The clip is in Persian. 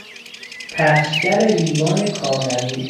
پخشگر لیوان کاغذی